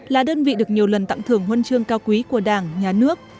là đơn vị được nhiều lần tặng thưởng huân chương cao quý của đảng nhà nước